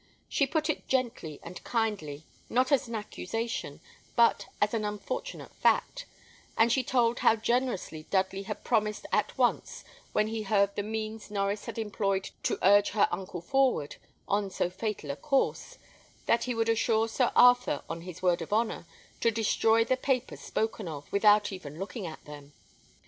She put it gently and kindly, not as an accusation, but as an unfortunate fact; and she told how generously Dudley had promised at once, when he heard the means Norries had employed to urge her uncle forward on so fatal a course, that he would assure Sir Arthur, on his word of honour, to destroy the papers spoken of, without even looking at them.